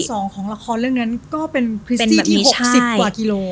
สองของละครเรื่องนั้นก็เป็นพริตตี้ที่๖๐กว่ากิโล